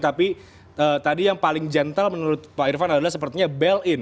tapi tadi yang paling gentle menurut pak irfan adalah sepertinya bail in